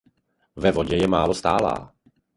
Ve vodě je málo stálá.